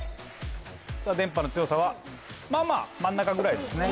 電波の強さはまあまあ真ん中くらいですね。